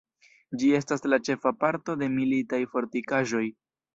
Ĝi estas la ĉefa parto de militaj fortikaĵoj.